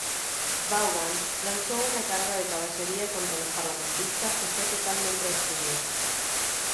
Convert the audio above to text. Vaughan lanzó una carga de caballería contra los parlamentaristas que fue totalmente destruida.